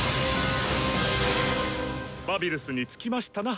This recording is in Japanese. バビルスに着きましたな！